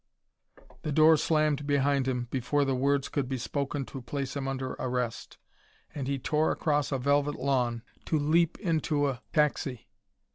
The door slammed behind him before the words could be spoken to place him under arrest, and he tore across a velvet lawn to leap into a taxi.